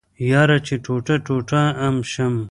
يره چې ټوټه ټوټه ام شم.